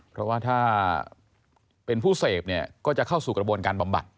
เพราะว่าถ้าเป็นผู้เสพก็จะเข้าสู่กระบวนการปับบัติ